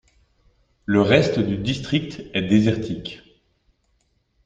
Le reste du district est désertique.